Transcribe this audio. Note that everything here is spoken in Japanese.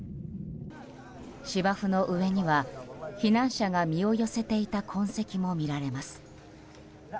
芝生の上には避難者が身を寄せていた痕跡も見られます。